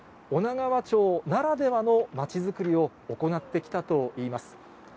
女川町ならではのまちづくりを行ってきたといいます。